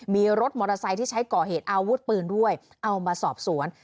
มีรถมอเตอร์ไซค์ที่ใช้ก่อเหตุอาวุธปืนด้วยเอามาสอบสวน